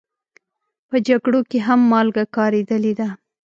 په جګړو کې هم مالګه کارېدلې ده.